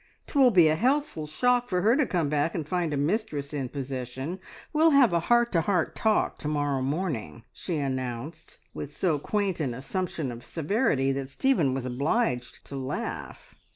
"'Twill be a healthful shock for her to come back and find a mistress in possession. We'll have a heart to heart talk to morrow morning," she announced, with so quaint an assumption of severity that Stephen was obliged to laugh.